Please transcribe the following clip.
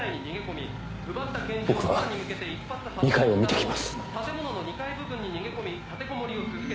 僕は２階を見てきます。